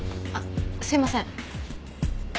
あっすいません。